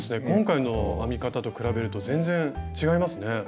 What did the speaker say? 今回の編み方と比べると全然違いますね。